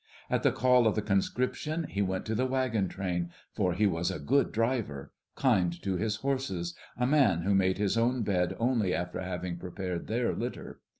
At the call of the Conscription he went to the wagon train, for he was a good driver, kind to his horses, a man who made his own bed only after having prepared their litter.